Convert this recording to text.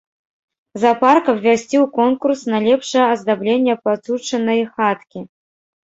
Заапарк абвясціў конкурс на лепшае аздабленне пацучынай хаткі.